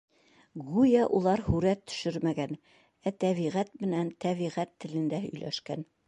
Гүйә, улар һүрәт төшөрмәгән, ә тәбиғәт менән тәбиғәт телендә һөйләшкән.